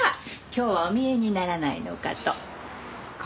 今日はお見えにならないのかと。